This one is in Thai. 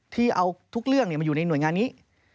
ที่เอาทุกเรื่องมาอยู่ในหน่วยงานนี้